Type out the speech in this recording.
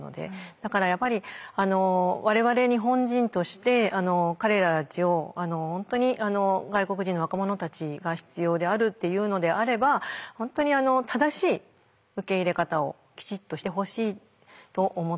だからやっぱり我々日本人として彼らたちを本当に外国人の若者たちが必要であるっていうのであれば本当に正しい受け入れ方をきちっとしてほしいと思ってます。